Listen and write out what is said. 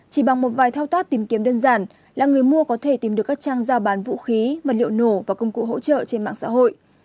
chỉ bằng một vài thao tác tìm kiếm đơn giản là người mua có thể tìm được các trang giao bán vũ khí vật liệu nổ và công cụ hỗ trợ trên mạng xã hội